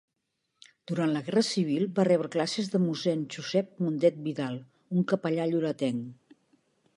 Durant la Guerra Civil va rebre classes de Mossèn Josep Mundet Vidal, un capellà lloretenc.